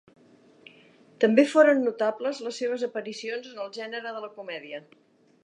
També foren notables les seves aparicions en el gènere de la comèdia.